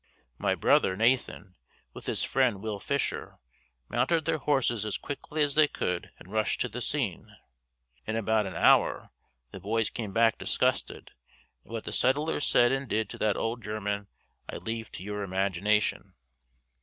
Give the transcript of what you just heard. My brother, Nathan, with his friend Will Fisher, mounted their horses as quickly as they could and rushed to the scene. In about an hour the boys came back disgusted, and what the settlers said and did to the old German, I leave to your imagination.